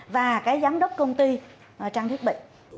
và cái giám đốc công ty trang thiết bị